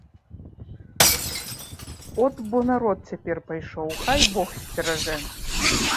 От бо народ цяпер пайшоў, хай бог сцеражэ!